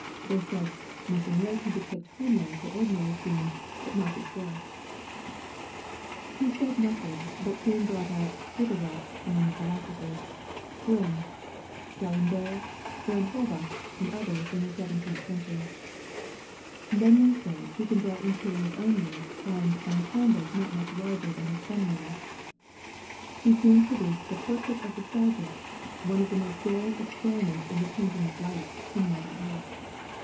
They said "Meissonier can depict homelike or ordinary scenes, but not historic." He said nothing, but soon brought out "Diderot" among the philosophers, Grimm, D'Alembert, Baron Holbach, and others in the seventeenth century. Then they said he can draw interiors only, and "on a canvas not much larger than his thumb nail." He soon produced the "Portrait of the Sergeant," "one of the most daring experiments in the painting of light, in modern art.